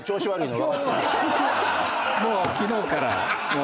もう昨日から。